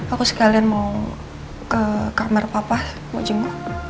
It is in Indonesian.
aku sekalian mau ke kamar papa mau jenguk